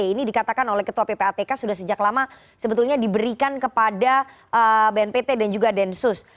ini dikatakan oleh ketua ppatk sudah sejak lama sebetulnya diberikan kepada bnpt dan juga densus